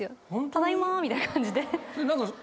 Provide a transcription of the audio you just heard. ただいまみたいな感じで。